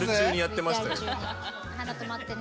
はな止まってね。